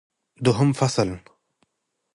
دوهم فصل